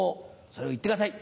それを言ってください。